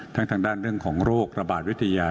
ทางด้านเรื่องของโรคระบาดวิทยา